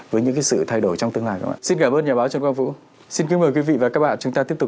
với những sự thay đổi trong tương lai